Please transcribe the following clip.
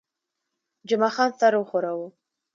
جمعه خان سر وښوراوه.